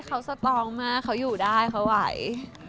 เค้าสตรองมากเค้าอยู่ได้เค้าไหว